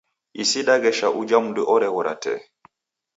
Isi daghesha uja mndu oreghora tee.